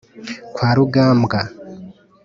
kwa rugambwa